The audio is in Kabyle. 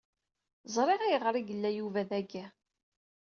Zriɣ ayɣer ig yella Yuba dagi.